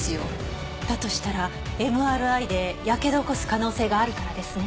だとしたらＭＲＩでやけどを起こす可能性があるからですね。